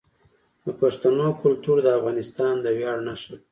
د پښتنو کلتور د افغانستان د ویاړ نښه ده.